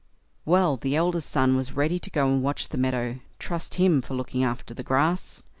Well, the eldest son was ready to go and watch the meadow; trust him for looking after the grass!